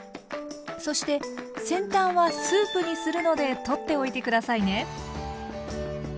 そして先端はスープにするので取っておいて下さいね。